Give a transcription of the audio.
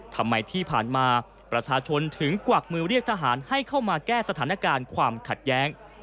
ที่ผ่านมาประชาชนถึงกวักมือเรียกทหารให้เข้ามาแก้สถานการณ์ความขัดแย้ง